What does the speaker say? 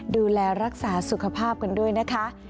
ดูแลรักษาสุขภาพกันด้วยนะคะ